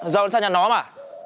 dâu nó ra nhà nó mà